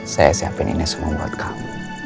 saya siapin ini semua buat kamu